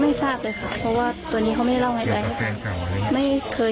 ไม่ทราบเลยค่ะเพราะว่าตรงนี้เขาไม่เล่าไง